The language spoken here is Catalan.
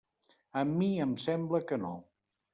A mi em sembla que no.